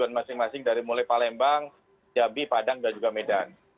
lihat juga masing masing dari mulai palembang jabi padang dan juga medan